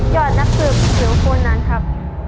ยอดนักสืบผิวโคนันครับ